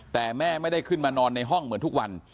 แต่แม่ไม่ได้ขึ้นมานอนในห้องเหมือนทุกวัน